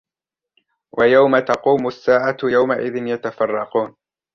وَيَوْمَ تَقُومُ السَّاعَةُ يَوْمَئِذٍ يَتَفَرَّقُونَ